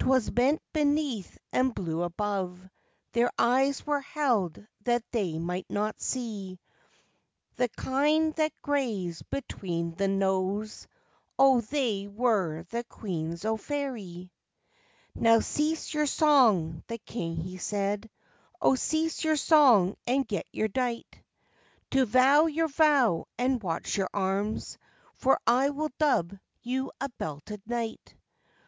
_'Twas bent beneath and blue above, Their eyes were held that they might not see The kine that grazed between the knowes, Oh, they were the Queens o' Faerie!_ "Now cease your song," the King he said, "Oh, cease your song and get you dight To vow your vow and watch your arms, For I will dub you a belted knight.